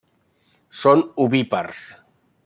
Són ovípars.